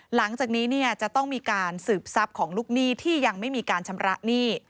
หลังจากนี้จะต้องมีการสืบทรัพย์ของลูกหนี้ที่ยังไม่มีการชำระหนี้